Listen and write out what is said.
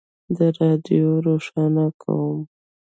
د رادیوم روښانه کوي.